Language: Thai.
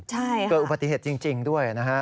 ใช่ค่ะค่ะจริงด้วยนะฮะ